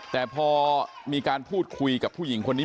แต่พอมีการพูดคุยกับผู้หญิงคนนี้